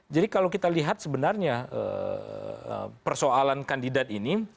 jadi kalau kita lihat sebenarnya persoalan kandidat ini